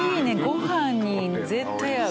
ごはんに絶対合う。